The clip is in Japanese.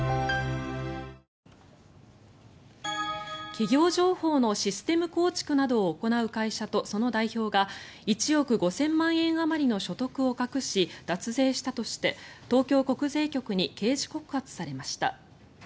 企業情報のシステム構築などを行う会社とその代表が１億５０００万円あまりの所得を隠し、脱税したとして東京国税局に刑事告発されました。